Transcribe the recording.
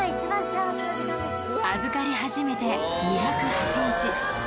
預かり始めて２０８日。